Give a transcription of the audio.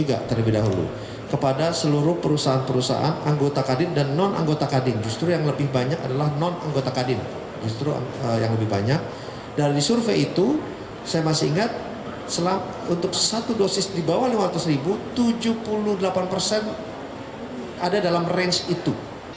ada dalam range itu